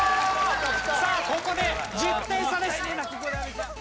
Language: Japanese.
さあここで１０点差です。